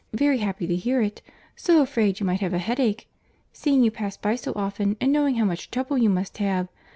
Very happy to hear it. So afraid you might have a headache!—seeing you pass by so often, and knowing how much trouble you must have.